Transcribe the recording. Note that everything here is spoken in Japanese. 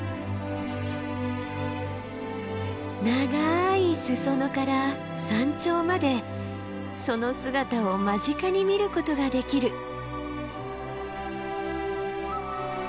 長い裾野から山頂までその姿を間近に見ることができる。